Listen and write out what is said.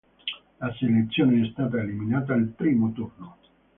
La selezione è stata eliminata al primo turno.